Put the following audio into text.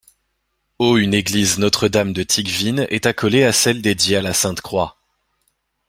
Au une église Notre-Dame de Tikhvine est accolée à celle dédiée à la Sainte-Croix.